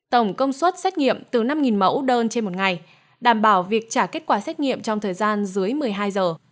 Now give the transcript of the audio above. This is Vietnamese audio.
tổng công suất xét nghiệm từ năm mẫu đơn trên một ngày đảm bảo việc trả kết quả xét nghiệm trong thời gian dưới một mươi hai giờ